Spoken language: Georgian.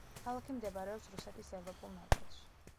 ქალაქი მდებარეობს რუსეთის ევროპულ ნაწილში.